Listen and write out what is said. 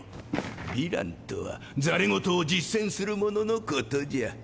ヴィランとは戯言を実践する者のことじゃ！